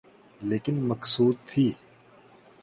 لیکن مقصود تھی۔